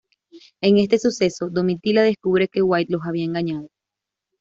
En este suceso, Domitila descubre que White los había engañado.